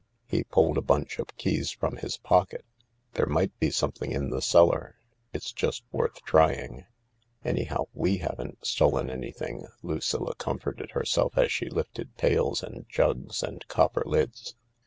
He pulled a bunch of keys from his pocket* " There might be something in the cellar— it's just worth trying." " Anyhow, we haven't stolen anything," Lucilla comforted herself as she lifted pails and jugs and copper lids.